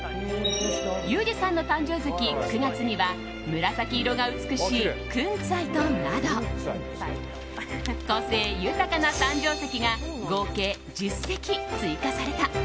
ユージさんの誕生月、９月には紫色が美しいクンツァイトなど個性豊かな誕生石が合計１０石追加された。